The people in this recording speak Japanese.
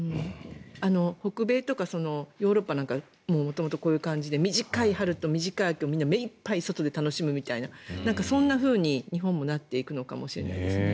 北米とかヨーロッパなんかは元々こういう感じで短い春と短い秋をみんな目いっぱい外で楽しむみたいなそんなふうに日本もなっていくのかもしれないですね。